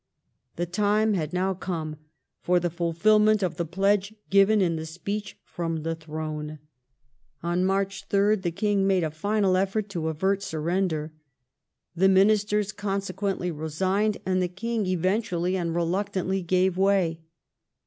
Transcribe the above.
The time had now come for the fulfilment of the pledge given in the speech from the Throne. On March 3rd the King made a final effort to avert surrender. The Ministers consequently resigned, and the King eventually and reluctantly gave way.